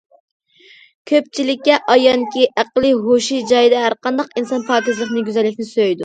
كۆپچىلىككە ئايانكى، ئەقلى ھوشى جايىدا ھەر قانداق ئىنسان پاكىزلىقنى، گۈزەللىكنى سۆيىدۇ.